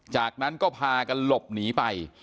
จากนั้นก็พากันหลบหนีไป